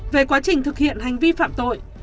về quá trình thực hiện hành vi phạm tội